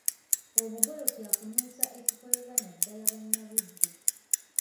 Obugolo kya kunuusa ekikolebwa naddala Bannabuddu .